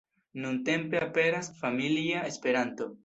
Nuntempe aperas "Familia Esperanto".